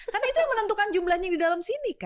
karena itu yang menentukan jumlahnya yang di dalam sini kan